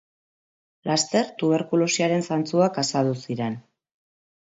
Laster tuberkulosiaren zantzuak azaldu ziren.